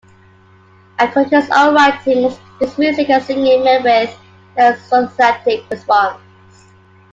According to his own writings, his music and singing met with an enthusiastic response.